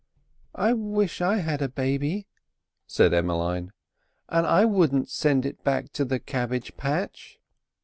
"I wish I had a baby," said Emmeline, "and I wouldn't send it back to the cabbage patch."